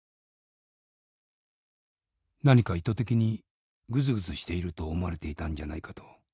「何か意図的にぐずぐずしていると思われていたんじゃないかと。